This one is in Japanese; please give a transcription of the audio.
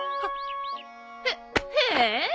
へっへえ。